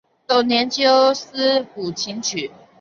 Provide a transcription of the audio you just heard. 洞庭秋思古琴曲。